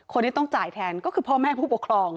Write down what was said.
คนที่ต้องจ่ายแทนก็คือพ่อแม่ผู้ปกครอง